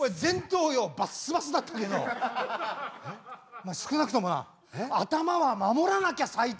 お前少なくともな頭は守らなきゃ最低。